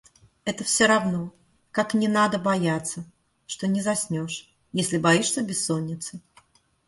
Это всё равно, как не надо бояться, что не заснешь, если боишься бессонницы.